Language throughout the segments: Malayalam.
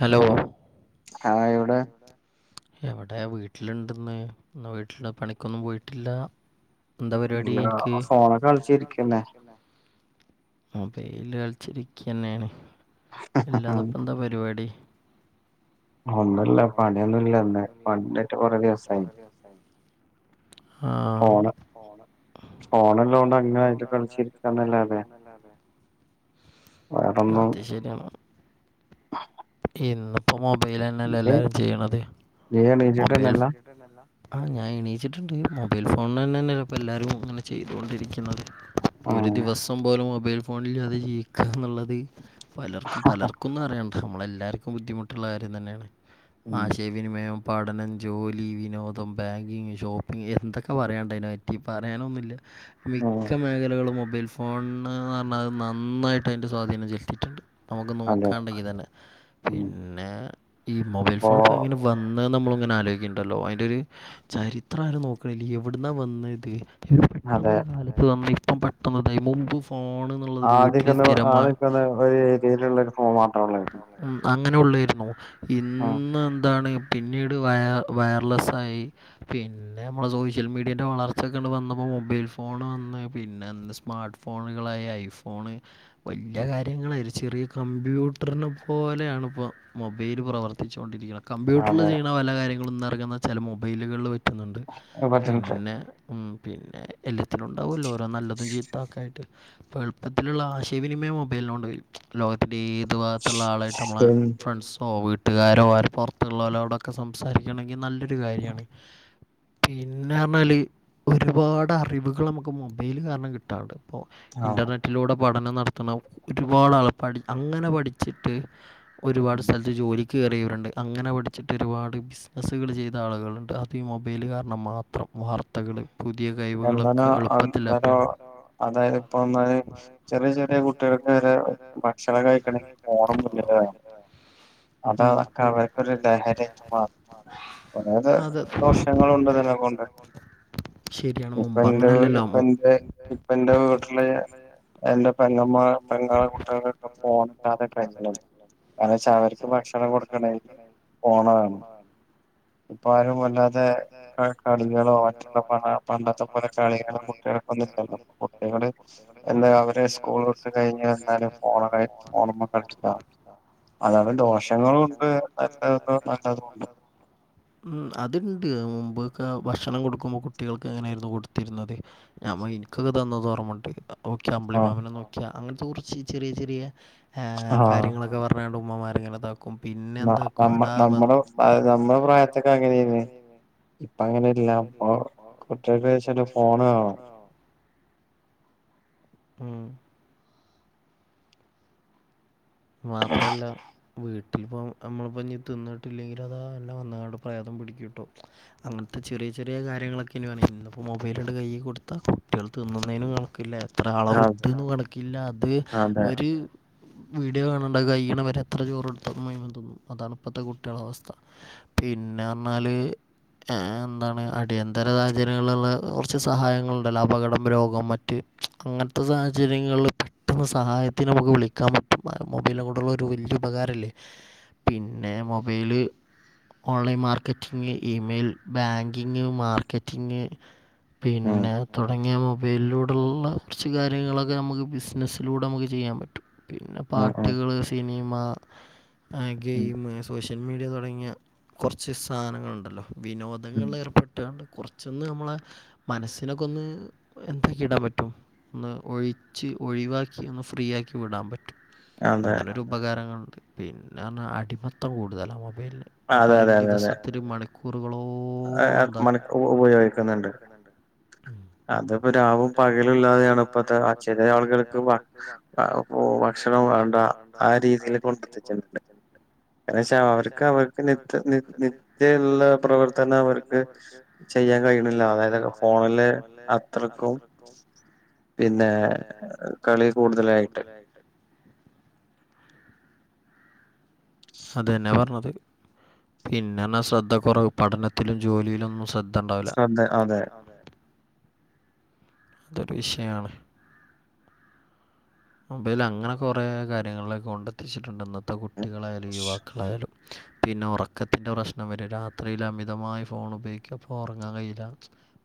ഹലോ ആഹ് എവിടെ എവിടെയാ വീട്ടിലിണ്ട്ന്ന് ന്ന് വീട്ടില് പണിക്കൊന്നും പോയിട്ടില്ല ഇല്ല ഫോണൊക്കെ കളിച്ചിരിക്കന്നെ മൊബൈല് കളിച്ചിരിക്ക തന്നെയാണ് എല്ലാതപ്പ എന്താ പരിപാടി ഒന്നുമില്ല പണിയൊന്നുമില്ല ഇന്ന് പണിണ്ടായിട്ട് കൊറെ ദിവസമായി ഫോണ് ഫോണ്ല്ലോണ്ട് അങ്ങനെയിട്ട് കളിച്ചരിക്ക് അത് ശരിയാണ് ഇന്ന്പ്പോ മൊബൈൽ തന്നെയല്ലേ എല്ലാരും ചെയ്യ്ണത് മൊബൈൽ ആ ഞാൻ എണീയിച്ചിട്ടുണ്ട് ഞാൻ ഞാന് എണീച്ചിട്ടുണ്ട്മൊബൈൽ ഫോണ് തന്നെ തന്നെയല്ല ഇപ്പ എല്ലാരും അങ്ങനെ ചെയ്തൊണ്ടിരിക്കുന്നത് ഒരു ദിവസം പോലും മൊബൈൽ ഫോണില്ലാതെ ജീവിക്കുക എന്നുള്ളത് പലർക്കും പലർക്കും ഒന്നും അറിയണ്ട നമ്മള് എല്ലാവർക്കും ബുദ്ധിമുട്ടുള്ള കാര്യം തന്നെയാണ് ആ ശരി വിനിമയം പഠനം ജോലി വിനോദം ബാങ്കിങ് ഷോപ്പിങ് എന്തൊക്കെ പറയാണ്ട് അതിനെ പറ്റി പറയാനൊന്നുമില്ല മിക്ക മേഖലകളും മൊബൈൽ ഫോ ഫോൺന്ന് പറഞ്ഞാൽ അത് നന്നായിട്ട് അതിന്റെ സ്വാധീനം ചെലുത്തിയിട്ടുണ്ട് നമുക്ക് നോക്കാണ്ടെങ്കി തന്നെ പിന്നെ ഈ മൊബൈൽ ഫോൺ ഇപ്പ എങ്ങനെ വന്ന് നമ്മള് ഇങ്ങനെ ആലോയിക്കണ്ടല്ലോ അതിന്റെ ഒര് ചരിത്രം ആരും നോക്കണ്ല്യ എവിടുന്നാ വന്നെയിത് പിന്നെ പെട്ടെന്നൊരു കാലത്ത് തന്ന ഇപ്പം പെട്ടെന്ന് തായി മുമ്പ് ഫോൺ ആദ്യൊക്കെ ആദ്യമിക്ക ഒരു ഏരിയയിലുള്ള ഒരു ഫോണ് മാത്രമേ ഉള്ളായിരുന്നു ഉം അങ്ങനെ ഉള്ളായിരുന്നു ഇന്ന് എന്താണ് പിന്നീട് വയർ വയർലെസ്സായി പിന്നെ നമ്മുടെ സോഷ്യൽ മീഡിയന്റെ വളർച്ചയൊക്കെ ണ്ട് വന്നപ്പോൾ മൊബൈൽ ഫോൺ വന്ന് പിന്നെ ന്ത് സ്മാർട്ട്ഫോൺ ഫോണുകളായി ഐഫോണ് വല്ല്യ കാര്യങ്ങളായി ചെറിയ കമ്പ്യൂട്ടറിനെ പോലെയാണ് ഇപ്പൊ മൊബ് മൊബൈൽ പ്രവർത്തിച്ചൊണ്ടിരിക്കണത് കമ്പ്യൂട്ടറിൽ ചെയ്യുന്ന പല കാര്യങ്ങളും ന്ന് ഇറങ്ങുന്ന ചില മൊബൈലുകളില് പ റ്റുന്നുണ്ട് പിന്നെ ഉം പിന്നെ എല്ലാത്തിലും ഉണ്ടാവുമല്ലോ ഓരോ നല്ലതും ചീത്തൊക്കെ ആയിട്ട് എളുപ്പത്തിലുള്ള ആശയവിനിമയം മൊബൈലിനോണ്ട് കഴിയും ലോകത്തിന്റെ ഏതു ഭാഗത്തുള്ള ആളായിട്ട് നമ്മളെ ഫ്രണ്ട്സ് ഓഹ് വീട്ട്കാരോ അവര് പൊറ്ത്ത്ള്ളോലോടൊക്കെ സംസാരിക്കണ്ടെങ്കി നല്ലൊരു കാര്യാണ് പിന്നെന്ന്പറഞ്ഞാല് ഒരുപാട് അറിവ്കളമ്മക്ക് മൊബൈല് കാരണം കിട്ടാണ്ട് പ്പോ ഇന്റർനെ നെറ്റ്ലൂടെ പഠനം നടത്തണ ഒരുപാട് ആൾ പഠി അങ്ങനെ പഠ്ച്ചിട്ട് ഒരുപാട് സ് ക്കെന്താ ജോലി കേറിയവ്ര്ണ്ട് അങ്ങനെ പഠ്ച്ചിട്ട് ഒരുപാട് ബിസ് ബിസ്നസ്സുകൾ ചെയ്ത ആളുകള്ണ്ട് അതീ മൊബൈല് കാര്ണം മാത്രം വാർത്തകള് പുത്യേതായ് എന്താലോ എന്താലോ അതായത് ഇപ്പ വന്നാല് ചെറിയ ചെറിയ കുട്ടികൾക്ക് വരെ ഭക്ഷണം കഴിക്കണെങ്കി ഫോണ് മുന്നിൽ വേണം അതാ അതൊക്കെ അവർക്കൊരു ലഹരിയായിട്ട് മാറും കൊറേത് ദോഷങ്ങളൂണ്ട്തിനെക്കൊണ്ട് ഇപ്പന്റെ ഇപ്പന്റെ ഇപ്പന്റെ വീട്ട്ല് എന്റെ പെങ്ങമ്മാ പെങ്ങളെ കുട്ട്യാൾക്കൊക്കെ ഫോണ്ല്ലാതെ കയ്യ്ണില്ല കാര്ണന്നെച്ചാ അവര് ക്ഷെ അവർക്ക് ഭക്ഷണം കൊട്ക്കണെങ്കി ഫോണ് വാണം ഇപ്പാരും വല്ലാതെ കളികളോ മറ്റുള്ള പണ്ടത്തെ പോലെ കളികളും കുട്ടികള ഒന്നുല്ലല്ലോ കുട്ടികള് എന്താ അവരെ സ്കൂള് വിട്ട് കഴിഞ്ഞന്നാല് ഫോണൊക്കായ് ഫോൺമ്മ [unintelligible] അതത് ദോഷങ്ങളൂണ്ട് [unintelligible] [inaudible] അത്ണ്ട് മുമ്പൊക്കെ ഭക്ഷണം കൊട്ക്കുമ്പോ കുട്ടികൾക്കങ്ങനെയായിരുന്നു കൊട്ത്തിരുന്നത് ഞാമ ഇൻകൊക്കെ തന്നദോർമണ്ട് അപ്പോക്കി അമ്പളിമാമനെ നോക്ക്യാ അങ്ങൻത്തൊർച്ച് ചെറിയ ചെറിയ കാര്യങ്ങളൊക്കെ പ അപ്പ ഞങടെ ഉമ്മമാര്ങ്ങനെതാ ക്കും പിന്നെന്താക്ക്വെടാ വ നമ്മടെ നമ്മടെ പ്രായത്തൊക്കെ അങ്ങനെയ്ന്ന് ഇപ്പങ്ങനെല്ല ഇപ്പൊ കുട്ടി [unintelligible] ഫോൺ വേണം ഉം മാത്രല്ല വീട്ട്ൽപ്പോ നമ്മള്പ്പൊഞ്ഞി തിന്ന്ട്ടില്ലെങ്കിലതാ അന്നെ വന്നാണ്ട് പ്രേതം പിടിക്കുംട്ടോ അങ്ങൻത്തെ ചെറ്യെ ചെറ്യേ കാര്യങ്ങളൊക്കെയ്നി പറ്നീനി ഇന്ന്പ്പൊ മൊബൈലണ്ട് കയ്യീ കൊട്ത്താ കുട്ട്യാള് തിന്നാന്നേനും കൺക്കില്ല എത്ര അളവ്ട്ടൂന്നും കണക്കില്ല അത് ഒര് വീഡിയോ കാണ്‌ണ്ടെ അത് കയ്യ്ണ വരെ എത്ര ചോറൊടുത്താലും മുയുവൻ ത് ന്നും അതാണ് ഇപ്പത്തെ കുട്ട്യാളെ അവസ്ഥ പിന്നെയർഞ്ഞാല് എന്താണ് അടിയന്തര സാഹചര്യങ്ങള്ള്ള്ള കൊർച്ച് സഹായങ്ങള്ണ്ടല്ലോ അപകടം രോഗം മറ്റ് അങ്ങൻത്തെ സാഹചര്യങ്ങളില് പെട്ടെന്ന് സഹായത്തിനമുക്ക് വിളിക്കാൻ പറ്റും മൊബൈല്നെക്കൊണ്ട്ള്ളൊര് വല്യ ഉപകാരല്ലേ പിന്നെ mobile online marketing email banking marketing പിന്നെ തൊടങ്ങിയ മൊബൈല്ലൂ ടെള്ള കൊർച്ച് കാര്യങ്ങളൊക്കെ നമുക്ക് ബിസ്നസ്സിലൂടെ നമുക്ക് ചെയ്യാൻ പറ്റും പിന്നെ പാട്ട്കള് സിനിമ ഗെയിമ് സോഷ്യൽ മീഡിയ തൊടങ്ങിയ കൊർച്ച് സാനങ്ങൾണ്ടല്ലോ വിനോദങ്ങള്ൾ ഏർപ്പെട്ട്കാണ്ട് കൊർച്ചൊന്ന് നമ്മളെ മനസ്സ്നൊക്കൊന്ന് എന്താക്കി ഇടാൻ പറ്റും ഒന്ന് ഒഴിച്ച് ഒഴിവാക്കി ഒന്ന് ഫ്രീ ആക്കി വിടാൻ പ അങ്ങനോരോ ഉപകാരങ്ങള്ണ്ട് പിന്നെയർഞ്ഞാ അടിമത്തം കൂട്തലാ മൊബൈൽന് പലരം ദിവസത്തില് മണിക്കൂറുകളോ മണിക്കൂറുകൾ ഉപയോഗിക്ക്ന്ന്ണ്ട് ണ്ട് അത്പ്പോ രാവും പകലുല്ലാതെയാണ് ഇപ്പത്തെ ആ ചെലേയാള്കൾക്ക് പ്പോ ഭക്ഷണം വേണ്ട ആ രീതീല് കൊണ്ടെത്തിച്ചെണ്ട് കൊറേശെ അവർക്ക് അവർക്ക് നിത്യ നി നിത്യെയുള്ള പ്രവർത്തനവർക്ക് ചെയ്യാൻ കഴിയ്ണില്ല അതായതൊക്കെ ഫോണില് അത്രക്കും പിന്നെ കളി കൂടുതലായിട്ട് [inaudible] അത് തന്നാ പറഞ്ഞത് പിന്നെന്ന ശ്രദ്ധ കുറവ പഠനത്തിലും ജോലിയിലും ഒന്നും ശ്രദ്ധ ഉണ്ടാവില്ല അതൊരു വിഷയാണ് മൊബൈൽ അങ്ങനെ കുറേ കാര്യങ്ങളിലൊക്ക കൊണ്ടെത്തിച്ചിട്ടുണ്ട് ഇന്നത്തെ കുട്ടികളായാലും യുവാക്കളായാലും പിന്നെ ഉറക്കത്തിന്റെ പ്രശ്നം വരും രാത്രിയിൽ അമിതമായി ഫോൺ ഉപയോഗിക്ക അപ്പ ഉറങ്ങാൻ കഴിയില്ല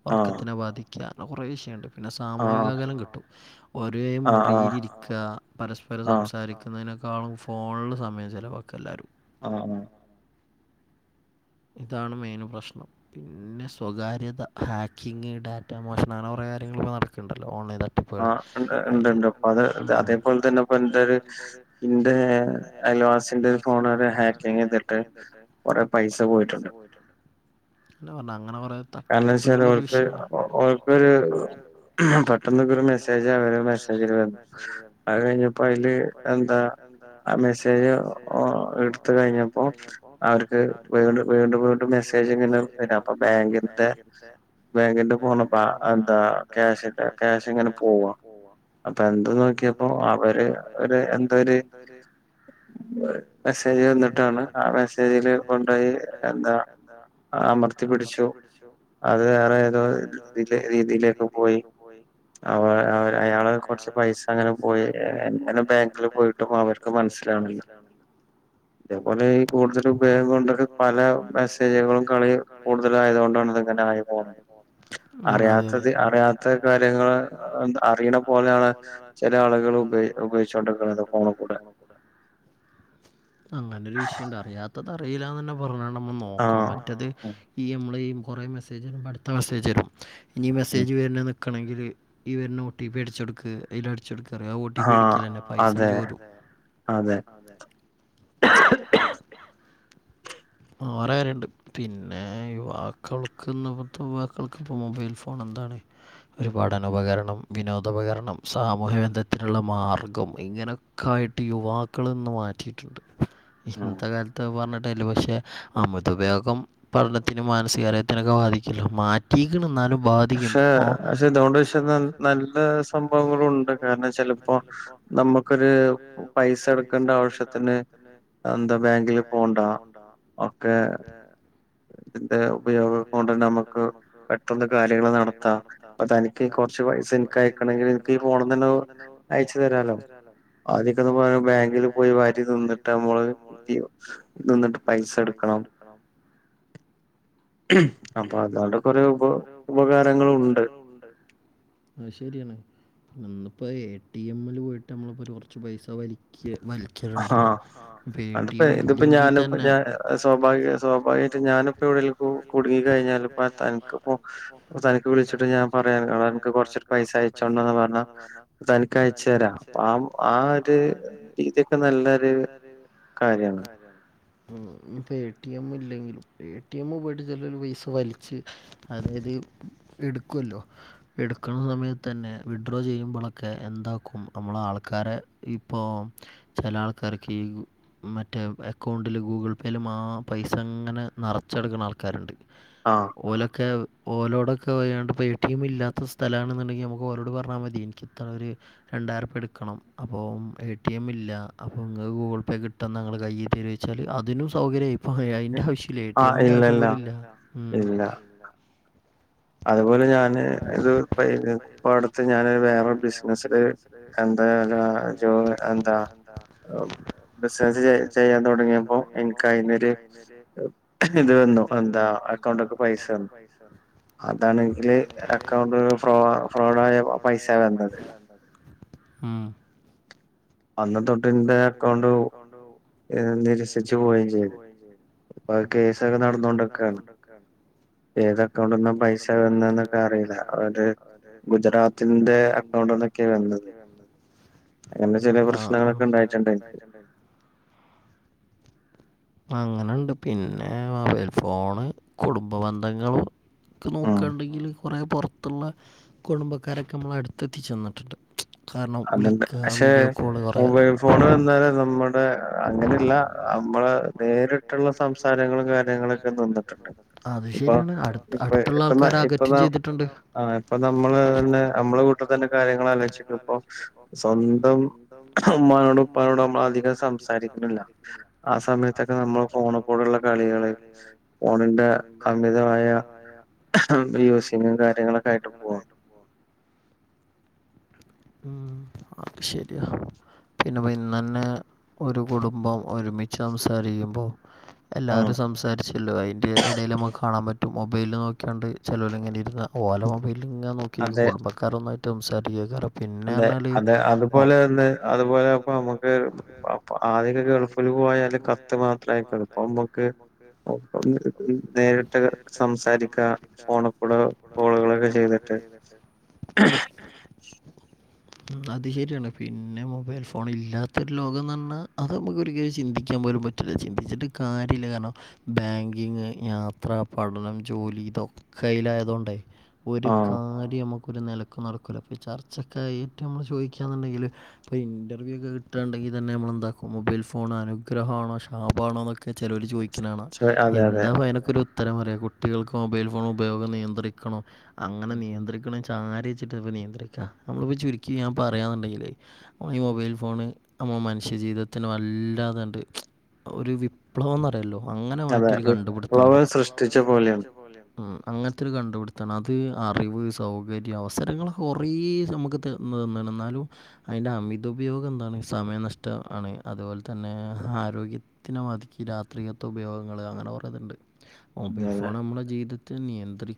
ഉറക്കത്തിനെ ബാധിക്ക കുറെേ വിഷയുണ്ട് പിന്നെ സാമൂഹിക അകലം കിട്ടും ഒരേ മുറിയിലിരിക പരസ്പരം സംസാരിക്കുന്നതിനൊക്കാള ഫോണിൽ സമയം ചെലവക്കെ എല്ലാവരും ആഹ് ആഹ് ഇതാണ് മെയിൻ പ്രശ്നം പിന്നെ സ്വകാര്യത ഹാക്കിങ് ഡാറ്റ മോഷണം അങ്ങനെ കുറേ കാര്യങ്ങളൾ നടക്കുണ്ടല്ലോ ഓൺലൈൻ ആഹ് ഉണ്ട് ഉ ണ്ട് അപ്പൊ അത് അതേപോലെ തന്നെപ്പ എന്റെ ഒരു ഇന്റെ അയൽ വാസിന്റെ ഫോൺ ഹാക്കിങ് യ്തിട്ട് കൊറേ കൊറെ പൈസ പോയിട്ടുണ്ട് അല്ല പറ അങ്ങനെ കുറെ കാരണം വച്ചാത് ഓർക്ക് ഓർക്കൊരു പെട്ടെന്നൊക്കെ ഒരു മെസ്സേജ് അവര് മെസ്സേജിൽ വന്നു അത് കഴിഞ്ഞപ്പോ അതില് എന്താ ആ മെസ്സേജ് എടുത്ത കഴിഞ്ഞപ്പോ അവർക്ക് വീ വീണ്ടും വീണ്ടും മെസ്സേജ് ഇങ്ങനെ വരാ അപ്പൊ ബാങ്കിന്ന് ങ്കരത്തെ ബാങ്കിന്റെ പോണപ്പ എന്താ ക്യാഷിന്റെ ക്യാഷ് ഇങ്ങനെ പോവാ അപ്പൊ എന്ത് നോക്കിയപ്പോ അവര് ഒരു എന്തരു മെസ്സേജ് വന്നിട്ടാണ് ആ മെസ്സേജില് ഓണ്ടായി എന്താ അമർത്തി പിടിച്ചു ശോ അത് വേറെ ഏതോ ഇതി രീതിയിലേക്ക് പോയി അവ അയാള് കൊറച്ച് പൈസ അങ്ങനെ പോയി എങ്ങനെ ബാങ്കില് പോയിട്ടും അവര് ഒക്കെ മനസ്സിലണല്ലോ ആണല്ലോ ഇതേപോലെ ഈ കൂടുതൽ ഉപയോഗം കൊണ്ട് പല മെസ്സേജുകളും കളി കൂടുതല ആയതണ്ട് നമ്മള് ഇങ്ങനെ ആയി പോണത് അറിയാത്തത് അറിയാത്ത കാര്യങ്ങള് അറിയണ പോലെയാണ് ചില ആളുകൾ ഉപയ ഉപയോഗിച്ചോണ്ടി ഫോണ കൂടെ അങ്ങന ഒരു വിഷയം ഉണ്ടാ അറിയാ അറിയാത്ത അറിയില്ലാന്ന് തന്നെ പറഞ്ഞ നമ്മ നോക്കണം മറ്റത് ഈ എമ്മളേയും കുറേ മെസ്സേജ് പഠി അ മസ്സേജ് വരും ഇനി ഈ മെസ്സേജ് വരുന്നെ നിൽക്കണമെങ്കി ഈ വരുന്ന ഒ ടി പി അടിച്ചു കൊടുക്ക് ഇതി അടിച്ചെടുക്കാറ ആ ഒ ടി പി അടിക്കില്ലേന്നെ പൈസേന്റെ ചോരും അതെ ആ ഓര കാര്യ ഉണ്ട് പിന്നെ യുവാക്കൾക്ക്ത്തെ യുവാക്കൾക്ക് ഇപ്പോ മൊബൈൽ ഫോൺ എന്താണ് ഒരു പഠന ഉപകരണം വിനോദോപകരണം സാമൂഹ്യബന്ധത്തിനുള്ള മാർഗം ഇങ്ങനെ ക്കായിട്ട് യുവാക്കള ഇന്ന് മാറ്റിയിട്ടുണ്ട് ഇന്നത്തെ കാലത്ത് പറഞ്ഞിട്ടല് പക്ഷേ അമിത ഉപയോഗം പഠനത്തിന് മാനസികാരോഗ്യത്തിനൊക്കെ ബാധിക്കല്ലോ ക്കണ എന്നാലും ബാധിക്കും ഇതണ്ട് നല്ല സംഭവങ്ങളണ്ട് കാരണം എന്നുവെച്ചാല് ഇപ്പോ നമ്മുക്കൊരു പൈസ എടുക്കേണ്ട ആവശ്യത്തിന് എന്താ ബാങ്കില് പോണ്ട ഒക്കെ ഇതിന്റെ ഉപയോഗം കൊണ്ട്ന്നെ നമുക്ക് പെട്ടന്ന് കാര്യങ്ങൾ നടത്താ ഇപ്പൊ തനിക്ക് കുറച്ച് പൈസ എനിക്ക് അയക്കണമെങ്കി ഇനിക്ക് ഫോണിൽനിന്ന് തന്നെ അയച്ചു തരാലോ, ആദ്യൊക്കെ നമ്മ ബാങ്കിൽ പോയി വരി നിന്നിട്ടമ്മള് തി നിന്നിട്ട് പൈസ ക്കണം അപ്പൊ അതോണ്ടൊക്കൊര് ഉപ ഉ ഉപകാരങ്ങളും ഉണ്ട് ആയ് ശെരിയാണ്. ഇന്ന്പ്പോ എ ടി എമ്മില് പോയിട്ട് അമ്മളിപ്പൊര് കൊറ്ച്ച് പൈസ വലിക്യാ വൽ ക്ക്യല്ണ്ടല്ലോ പേ ടി യം ഇല്ല്യെങ്കി തന്നെ സ്വാഭാവിക സ്വാഭാവികയിട്ട് ഞാന്പ്പോ വിടെല്ലർക്കു കുട്ങ്ങി കയ്ഞ്ഞാലിപ്പ തൻക്ക് പ്പൊ തൻക്ക് വിളിച്ചിട്ട് ഞാൻ പറയാണ് [unintelligible] ൻക്ക് കൊർച്ചൊരു പൈസ അയച്ചോണ്ടന്ന് പർഞ്ഞാ തനിക്ക് അയച്ചരാ പ്പൊ ആ ആ ഒര് രീതി ക്കെ നല്ലൊര് കാര്യാണ്. ഉം, ഞ്ഞിപ്പോ എ ടി എമ്മില്ലെങ്കിലും എ ടി എമ്മ് പോയിട്ട് ചെലരു പൈസ വലിച്ച് അതായത് ഇട്ക്കൊല്ലോ ഇടുക്കണ സമയത്തെന്നെ വിഡ്രോ ചെയ്യുമ്പോളോക്കെ എന്താക്കും അമ്മള ആള്ക്കാരെ ഇപ്പോം ചെല ആൾക്കാരെക്കെ ഈ മറ്റേ എക്കൗണ്ട് ല് ഗൂഗ്ൾ പേല് മാ പൈസങ്ങനെ നറച്ചട്ക്ക്ണ ആൾക്കാര്ണ്ട്. ആഹ്. ഓലോക്കെ ഓലോടൊക്കെ പോയാണ്ട് പ്പം എ ടി എം ഇല്ലാത്ത സ്ഥലാണെന്ന്ണ്ടെങ്കി ഞമ്മക്ക് ഓരോട് പർഞ്ഞാ മതി എൻയ്ക്ക് ത്തറ ഒര് രണ്ടായിർപ്യട്ക്കണം അപ്പം എടി എം ഇല്ല്യ അപ്പൊ ങ്ങക്ക് ഗൂഗിൾ പേകിട്ടന്നാ ങ്ങള് കയ്യി തരോ ച്ചാല് അതിനും സൗകര്യായി ഫാഹ് അയ്ന്റെ ആവശ്യല്ല്യ എടി എമ്മിന്റെ ആവശ്യം പോലുല്ല്യ. ഉം അതുപോലെ ഞാന് ഇത് പ്പം പ്പോ അട്ത്ത് ഞാന് വേറെ ബിസ്നസ് ല് എന്താ രാ ജോ എന്താ ബിസ്നസ് ചെയ്യാ ചെയ്യാൻ തൊ ചെയ്യാൻ നൊടങ്ങിയപ്പോ എനിക്ക് അയ്നൊര് ഇത് വന്നു എന്താ അക്കൗണ്ടൊക്കെ പൈസ വന്നു അതാണെങ്കില് അക്കൗണ്ട് ഫ്രോ ഫ്രോഡായ പൈസ വെന്നത് ഉം അന്ന് തൊട്ട്ന്റെ അക്കൗണ്ട് ഏഹ് നിരസിച്ചു പോയിം ചെയ്ത്. പ്പൊത് കേസൊക്കെ നടന്നോണ്ടൊക്കാണ് [unintelligible] ഏത് അക്കൗണ്ട്ന്ന പൈസ വന്നെന്നൊക്കെ അറീല. മറ്റേ ഗുജറാത്തിന്റെ അക്കൗണ്ട്ന്ന ക്കൗണ്ട്ന്നൊക്കെ വന്നത്. അങ്ങനെ ചെലെ പ്രശ്നങ്ങളൊക്കെണ്ടായിട്ട്ണ്ട് ൻക്ക് [inaudible] അങ്ങനണ്ട് പിന്നെ മൊബൈൽ ഫോണ് കുടുംബ ബന്ധങ്ങള് ക്കെ നോക്കണ്ടെങ്കില് കൊറെ പൊറത്തുള്ളെ കുടുംബക്കാരൊക്കെ മ്മളേ അട്ത്തെത്തിച്ചെന്ന്ട്ട്ണ്ട്. കാര്ണം വിളിക്കാ വീഡിയോ കോള് വർ [unintelligible] ഫോണ് വന്നേരെ നമ്മടെ അങ്ങനല്ല അമ്മളെ നേരിട്ട്ള്ള സംസാരങ്ങളും കാര്യങ്ങളൊക്കെ [unintelligible] അതും ശെരിയാണ് അട്ത്ത് അട്ത്ത്ള്ള ആൾക്കാരെ ആകെ റ്റം ചെയ്തിട്ടുണ്ട് ആഹ് ഇപ്പൊ നമ്മള് തന്നെ അമ്മളെ വീട്ട് തന്നെ കാര്യങ്ങളാലോയ്ച്ചോക്ക് പ്പൊ സ്വന്തം ഉമ്മാനോടു ഉപ്പാനോടു അമ്മളധികം സംസാരിക്ക്ണില്ല ആ സമയത്തൊക്കെ നമ്മൾ ഫോണ്ക്കൂടള്ള കളികള് ളികള് ഓണിന്റെ അമിതമായ യൂസിങ്ങും കാര്യങ്ങളൊക്കെ ആയിട്ട് പോവും സ്തൈറ്റ് പുവാം ഉം അത് ശെരിയാ പിന്നെ ഇപ്പൊ ഇന്നെന്നെ ഒരു കുടുംബം ഒരുമി ച്ച് സംസാരിക്കുമ്പാെ എല്ലാവരും സംസ് സാരിച്ചല്ലോ ഐന്റെ എടേല്‌ ഞമ്മക്ക് കാണാംപറ്റും മൊബൈല് നോക്കിയാണ്ട് ചെലോര് ഇങ്ങനെ ഇര്ന്ന ഓലെ മൊബൈല്ങ്ങനെ നോ ക്കിൽക്ക് കുടുംബക്കാരൊന്നായിട്ട് സംസാരിക്കേക്കാരം അതെ അതെ അതുപോലെയൊന്ന് അത്പോലെ അപ്പൊ അമ്മക്ക് ആദ്യഒക്കെ ഗൾഫില് പോയാല് കത്ത് മാത്രേ അയക്കാെള്ളു ഇപ്പം ഇമ്മക്ക് ഇപ്പൊ ഇപ്പൊ നേരിട്ട് സംസാരിക്കാ ഫോണ് കൂടെ കോള്കളൊക്കെ ചെയ്ത്ട്ട് ഉം അത് ശെരിയാണ് പിന്നെ മൊബൈൽ ഫോൺ ഇല്ലാത്തൊരു ലോകംന്നർണാ അത് അമ്മക്ക് ഒരിക്കലും ചിന്തിക്കാൻ പോലും പറ്റില്ല ചിന്തിച്ചിട്ട് കാര്യല്ല കാരണം ബാങ്കിങ് യാത്ര പഠനം ജോലി ഇതൊക്കെ ഐലായതാേണ്ടേ ഒര് കാര്യം ഞമ്മക്ക് ഒര്നെലക്കും നടക്കൂല ഇപ്പൊ ഈ ചർച്ചക്കായിറ്റ് ഞമ്മള് ചോയിക്യാന്ന്ണ്ടെങ്കില് ഇപ്പൊ ഇന്റർവ്യൂ ഒക്കെ കിട്ടാണ്ടെങ്കി തന്നെ നമ്മളെന്താക്കും മൊബൈൽ ഫോൺ അനുഗ്രഹാണോ ശാപാണോന്നൊക്കെ ചെലോര് ചോയി ത്തിനാണ് എന്താപ്പൊ ഐനാെക്കൊരു ഉത്തരം പറിയ കുട്ടികൾക്ക് മൊബൈൽ ഫോൺ ഉപയോഗം നിയന്ത്രിക്കണം അങ്ങനെ നിയന്ത്രിക്ക്ണ്ചാ ആരെച്ചിട്ടാ ഇപ്പൊ നിയന്ത്രിക്കാ നമ്മളിപ്പാെ ചുരുക്കി ഞാ പറയാന്ന് ഇണ്ടെങ്കിലേ ഈ മൊബൈൽ ഫോണ് നമ്മ മനുഷ്യജീവിതത്തിന് വല്ലാതെണ്ട് ഒര് വിപ്ലവംന്ന് അറിയല്ലോ അങ്ങനെ മാറ്റി ഒരു കണ്ടുപിടുത്താണ് വിപ്ലവം സൃഷ്ടിച്ചപോലെയാേ ഉം അങ്ങൻത്താെരു കണ്ടുപിടുത്താണ് അത് അറിവ് സൗകര്യം അവസരങ്ങളൊക്കെ കാെറേ നമുക്ക് തെ ന്ന്ണ് ഇന്നാലും ഐൻ്റെ അമിത ഉപയോഗം എന്താണ് സമയനഷ്ട ആണ് അത്പോൽതന്നെ ആരോഗ്യ ത്തിനെ മതിക്ക് രാത്രികത്തെ ഉപയോഗങ്ങള് അങ്ങനെ കൊറേത്ണ്ട് മൊബൈൽ ഫോണ് നമ്മളെ ജീവിതത്തിൽ നിയന്ത്രി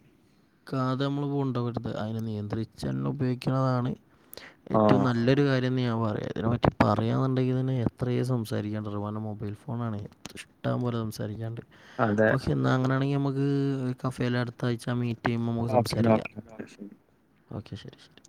ക്കാതെ നമ്മള് കൊണ്ടാേവരുത് ഐനെ നിയന്ത്രിച്ചെന്നെ ഉപയോഗിക്ക്ണതാണ് ഏറ്റവും നല്ലൊ രു കാര്യംന്ന് ഞാൻ പറയാ ഇതിനെപ്പറ്റി പറയാന്ന്ണ്ടെങ്കിൽ തന്നെ എത്രയേ സംസാരിക്കേണ്ടെരും കാരണം മൊബൈൽ ഫോണാണ് ഇഷ് ഷ്ടം പോലെ സംസാരിക്കാൻണ്ട് അതെ എന്നാ അങ്ങനൊയാണങ്കി ഞമ്മക്ക് കഫേയിലെ അട്ത്ത ആയ്ച്ച മീറ്റിയ്യുമ്പോ ഉമ്മുക്ക് സംസാരിക്കാ ഉം ഓക്കെ ശെരി ശെരി